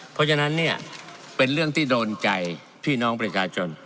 เพราะฉะนั้นเนี่ยเป็นเรื่องที่โดนใจพี่น้องประชาชน